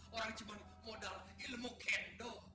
orang cuma modal ilmu kendo